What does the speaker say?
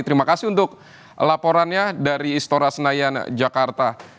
terima kasih untuk laporannya dari istora senayan jakarta